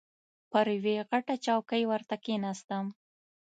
پر یوې غټه چوکۍ ورته کښېناستم.